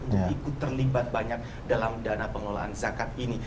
untuk ikut terlibat banyak dalam dana pengelolaan zakat ini